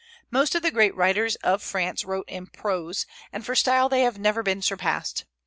Most of the great writers of France wrote in prose, and for style they have never been surpassed.